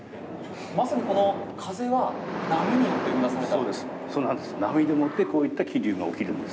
まさにこの風は波によって生み出された？